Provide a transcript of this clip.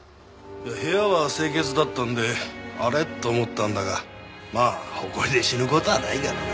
部屋は清潔だったんであれ？と思ったんだがまあホコリで死ぬ事はないからな。